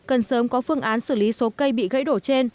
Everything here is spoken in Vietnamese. cần sớm có phương án xử lý số cây bị gãy đổ trên